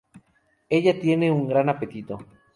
Ella tiene un gran apetito.